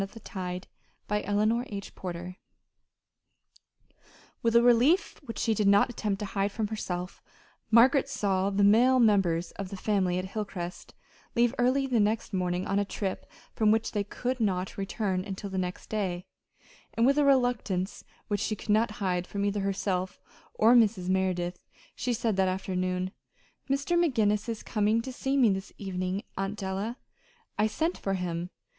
And it was signed, "Margaret Kendall." CHAPTER XXVII With a relief which she did not attempt to hide from herself, Margaret saw the male members of the family at Hilcrest leave early the next morning on a trip from which they could not return until the next day; and with a reluctance which she could not hide from either herself or Mrs. Merideth, she said that afternoon: "Mr. McGinnis is coming to see me this evening, Aunt Della. I sent for him.